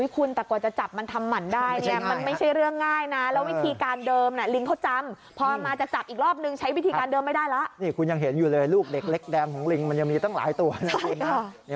คุณแต่กว่าจะจับมันทำหมั่นได้มันไม่ใช่เรื่องง่ายนะ